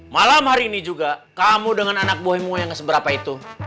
malam hari ini juga kamu dengan anak buah yang seberapa itu